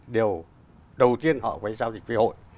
đều đầu tiên họ phải giao dịch về hội